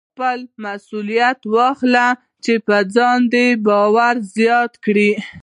خپله مسوليت واخلئ چې په ځان باور زیات کړئ.